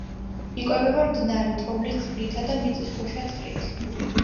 იკვებება მდნარი თოვლის წყლითა და მიწისქვეშა წყლით.